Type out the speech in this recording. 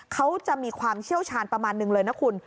เขาจะมีความเชี่ยวชาญประมาณนึงเลยนะคุณ